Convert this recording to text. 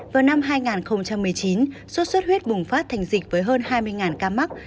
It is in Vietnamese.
vào năm hai nghìn một mươi chín sốt xuất huyết bùng phát thành dịch với hơn hai mươi ca mắc